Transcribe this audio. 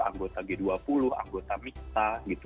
anggota g dua puluh anggota mikta gitu